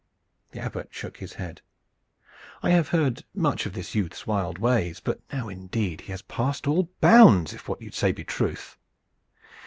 The Abbot shook his head. "I have heard much of this youth's wild ways; but now indeed he has passed all bounds if what you say be truth.